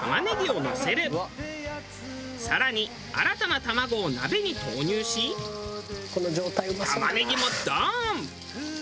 更に新たな卵を鍋に投入し玉ねぎもドーン！